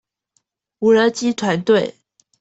無人機團隊